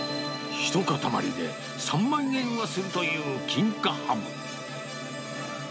ひと塊で３万円はするという金華ハム。